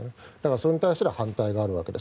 それに対する反対があるわけです。